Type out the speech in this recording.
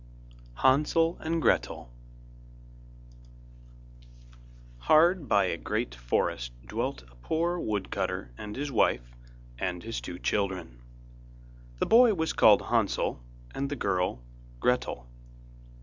HANSEL AND GRETEL Hard by a great forest dwelt a poor wood cutter with his wife and his two children. The boy was called Hansel and the girl Gretel.